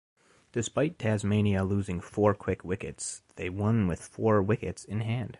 Despite Tasmania losing four quick wickets, they won with four wickets in hand.